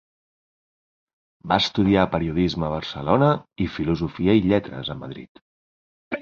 Va estudiar Periodisme a Barcelona i Filosofia i Lletres a Madrid.